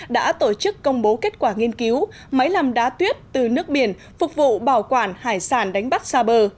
đã tổ chức công bố kết quả nghiên cứu máy làm đá tuyết từ nước biển phục vụ bảo quản hải sản đánh bắt xa bờ